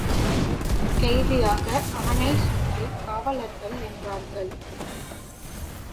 கைதியான அவனைச் சுற்றிக் காவலர்கள் நின்றார்கள்.